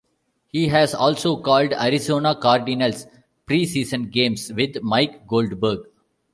He has also called Arizona Cardinals preseason games with Mike Goldberg.